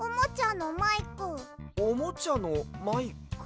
おもちゃのマイク？